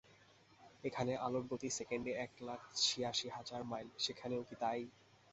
এখানে আলোর গতি সেকেন্ডে এক লক্ষ ছিয়াশি হাজার মাইল, সেখানেও কি তা-ই?